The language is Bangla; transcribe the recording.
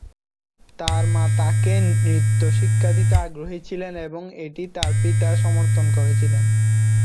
তাঁর মা তাঁকে নৃত্য শিক্ষা দিতে আগ্রহী ছিলেন এবং এটি তাঁর পিতা সমর্থন করেছিলেন।